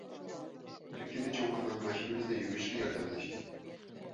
بىر كۈنى چوڭ ئانام ماشىنىمىزنى يۇيۇشقا ياردەملەشتى.